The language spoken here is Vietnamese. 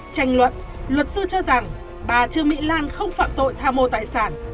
tranh luận luật sư cho rằng bà trương mỹ lan không phạm tội tham mô tài sản